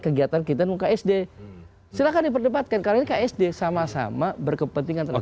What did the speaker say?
kegiatan kita untuk ksd silahkan diperdebatkan karena ini ksd sama sama berkepentingan terhadap